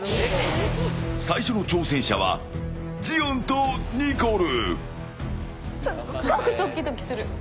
最初の挑戦者はジヨンとニコル。